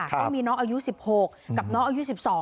ก็มีน้องอายุ๑๖กับน้องอายุ๑๒